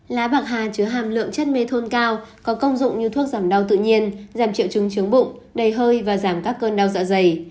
lá bạc hà chứa hàm lượng chất mê thôn cao có công dụng như thuốc giảm đau tự nhiên giảm triệu chứng bụng đầy hơi và giảm các cơn đau dạ dày